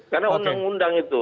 karena undang undang itu